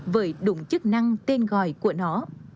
với đủ chức năng tên gọi của nó